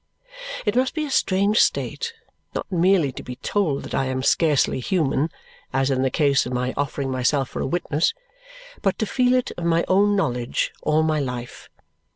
It must be a strange state, not merely to be told that I am scarcely human (as in the case of my offering myself for a witness), but to feel it of my own knowledge all my life!